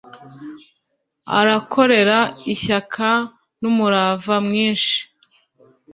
arakorera ishyaka n’umurava mwinshi